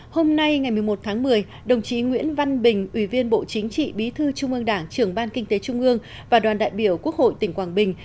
hôm nay ngày một mươi một tháng một mươi đồng chí nguyễn văn bình ủy viên bộ chính trị bí thư trung ương đảng trưởng ban kinh tế trung ương và đoàn đại biểu quốc hội tỉnh quảng bình